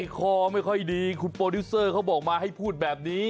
คอไม่ค่อยดีคุณโปรดิวเซอร์เขาบอกมาให้พูดแบบนี้